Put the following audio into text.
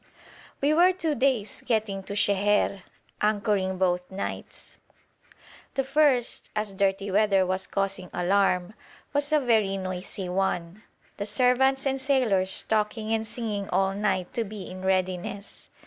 We were two days getting to Sheher, anchoring both nights; the first, as 'dirty weather' was causing alarm, was a very noisy one, the servants and sailors talking and singing all night to be in readiness.